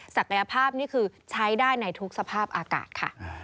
ศักยภาพนี่คือใช้ได้ในทุกสภาพอากาศค่ะ